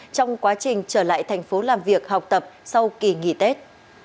trong quá trình trở lại thành phố làm việc học tập sau kỳ nghỉ tết